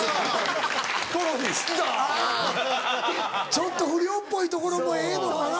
ちょっと不良っぽいところもええのかな。